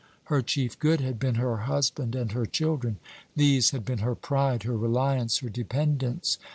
Her chief good had been her husband and her children. These had been her pride, her reliance, her dependence.